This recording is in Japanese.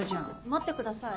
待ってください。